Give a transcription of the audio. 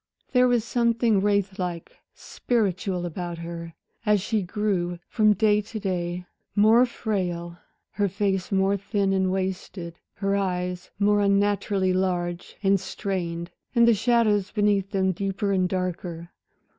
There was something wraith like, spiritual about her, as she grew from day to day, more frail, her face more thin and wasted, her eyes more unnaturally large and strained, and the shadows beneath them deeper and darker.